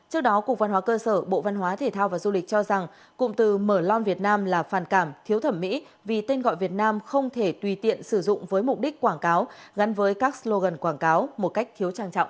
trước đó cục văn hóa cơ sở bộ văn hóa thể thao và du lịch cho rằng cụm từ mở lon việt nam là phản cảm thiếu thẩm mỹ vì tên gọi việt nam không thể tùy tiện sử dụng với mục đích quảng cáo gắn với các slogan quảng cáo một cách thiếu trang trọng